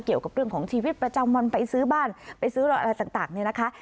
เกี่ยวกับเรื่องของชีวิตประจำวันไปซื้อบ้านไปซื้ออะไรต่างเนี่ยนะคะ